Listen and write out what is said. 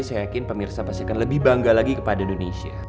saya yakin pemirsa pasti akan lebih bangga lagi kepada indonesia